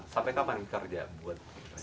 sampai kapan kerja buat